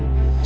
masa dulu pak